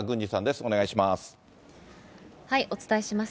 お願いします。